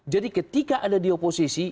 jadi ketika ada di oposisi